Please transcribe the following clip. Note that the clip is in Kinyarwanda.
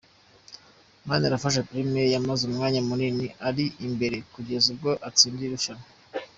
Manirafasha Premien yamaze umwanya munini ari imbere kugeza ubwo atsinda irushanwa.